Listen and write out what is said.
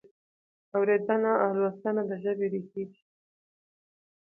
اورېدنه او لوستنه د ژبې ریښې دي.